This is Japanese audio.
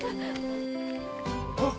あっ！